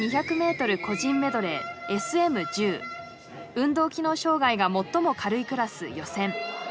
運動機能障害が最も軽いクラス予選。